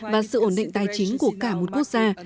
và sự ổn định tài chính của cả một quốc gia